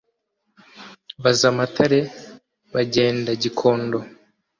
Baza Matare, bagenda gikondo